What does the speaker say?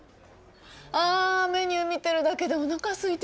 あメニュー見てるだけでおなかすいてきちゃった。